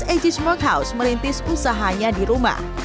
eji smurk house merintis usahanya di rumah